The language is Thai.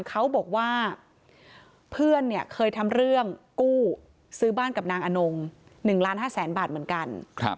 เขาบอกว่าเพื่อนเคยทำเรื่องกู้ซื้อบ้านกับนางอนง๑ล้าน๕แสนบาทเหมือนกัน